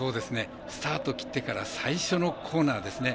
スタートを切ってから最初のコーナーですね。